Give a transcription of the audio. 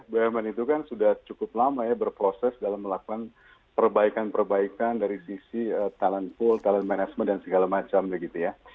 bumn itu kan sudah cukup lama ya berproses dalam melakukan perbaikan perbaikan dari sisi talent pool talent management dan segala macam begitu ya